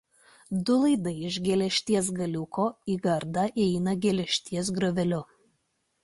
Du laidai iš geležtės galiuko į gardą eina geležtės grioveliu.